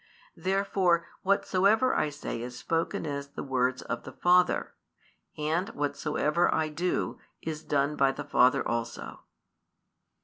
Therefore, whatsoever I say is spoken as the words of the Father; and whatsoever I do, is done by the Father also."